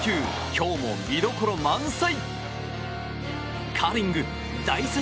今日も見どころ満載！